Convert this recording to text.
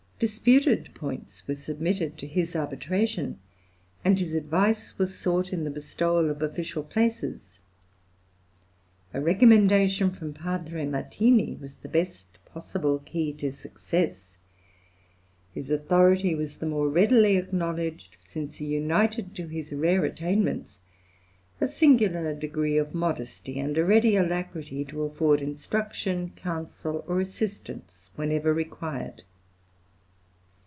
Disputed points were submitted to his arbitration, and his advice was sought in the bestowal of official places. A recommendation from Padre Martini was the best possible key to success. His authority was the more readily acknowledged, since he united to his rare attainments a singular degree of modesty, and a ready alacrity to afford instruction, counsel, or assistance whenever required.